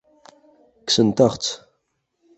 Kksent-aɣ-tt.